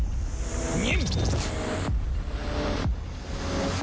ニン！